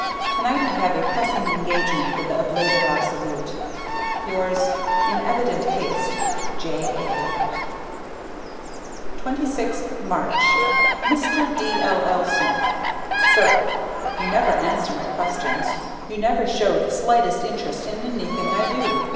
Tonight I have a pressing engagement with the Ablative Absolute. Yours in evident haste J. A. 26th March Mr. D. L. L. Smith, SIR: You never answer any questions; you never show the slightest interest in anything I do.